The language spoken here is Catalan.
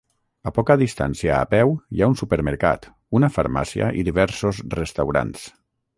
A poca distància a peu hi ha un supermercat, una farmàcia i diversos restaurants.